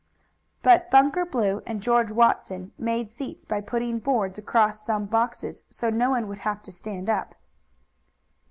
But Bunker Blue and George Watson made seats by putting boards across some boxes, so no one would have to stand up.